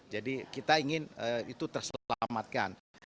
jadi kita ingin itu terselamatkan